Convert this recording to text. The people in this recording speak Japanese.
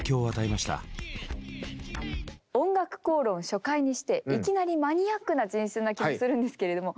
初回にしていきなりマニアックな人選な気がするんですけれども。